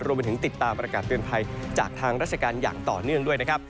รวมไปถึงติดตามประกาศเตือนภัยจากทางราชการอย่างต่อเนื่องด้วยนะครับ